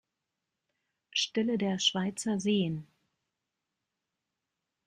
Stelle der Schweizer Seen.